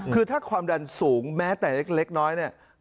คือถ้าความดันสูงแม้แต่เล็กน้อยเนี่ย